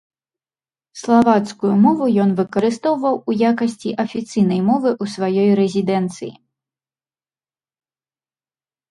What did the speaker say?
Славацкую мову ён выкарыстоўваў у якасці афіцыйнай мовы ў сваёй рэзідэнцыі.